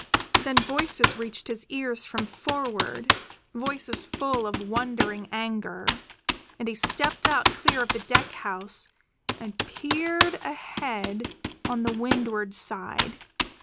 Then voices reached his ears from forward, voices full of wondering anger, and he stepped out clear of the deck house and peered ahead on the windward side.